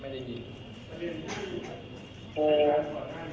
ไม่ได้ยิน